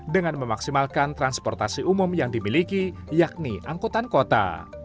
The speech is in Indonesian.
dengan memaksimalkan transportasi umum yang dimiliki yakni angkutan kota